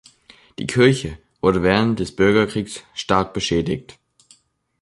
Die Kirche wurde während des Bürgerkriegs stark beschädigt.